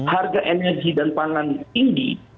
harga energi dan pangan tinggi